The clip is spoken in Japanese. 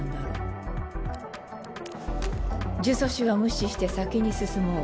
タッタッタッ呪詛師は無視して先に進もう。